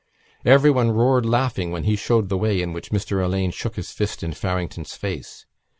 Everyone roared laughing when he showed the way in which Mr Alleyne shook his fist in Farrington's face.